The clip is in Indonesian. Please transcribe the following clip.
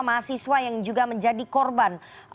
mahasiswa yang juga menjadi korban